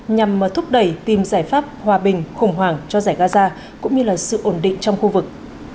nhằm thúc đẩy tìm giải pháp hòa bình khủng hoảng cho giải gaza cũng như là sự ổn định trong khu vực